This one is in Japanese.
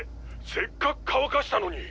せっかく乾かしたのに！？